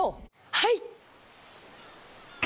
はい！